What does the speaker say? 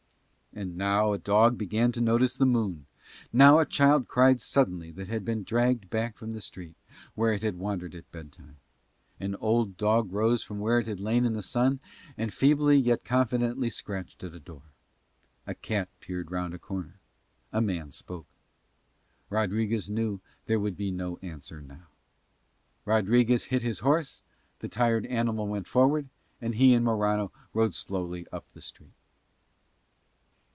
And now a dog began to notice the moon: now a child cried suddenly that had been dragged back from the street, where it had wandered at bedtime: an old dog rose from where it had lain in the sun and feebly yet confidently scratched at a door: a cat peered round a corner: a man spoke: Rodriguez knew there would be no answer now. Rodriguez hit his horse, the tired animal went forward, and he and Morano rode slowly up the street.